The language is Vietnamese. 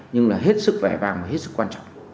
nhưng là hết sức vẻ vang và hết sức quan trọng